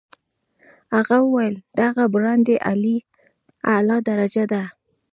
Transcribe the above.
هغه وویل دغه برانډې اعلی درجه ده.